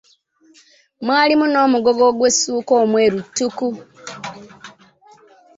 Mwalimu n'omugogo gw'essuuka omweru ttuku.